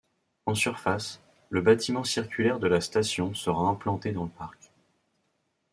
En surface, le bâtiment circulaire de la station sera implanté dans le parc.